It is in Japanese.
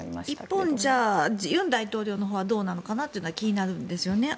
一方、尹大統領のほうはどうなのかなというのは気になるんですよね。